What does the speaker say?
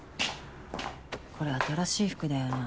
これ新しい服だよな。